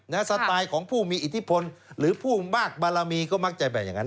สไตล์ของผู้มีอิทธิพลหรือผู้มากบารมีก็มักจะแบ่งอย่างนั้น